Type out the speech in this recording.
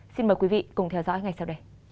xin mời quý vị cùng theo dõi ngay sau đây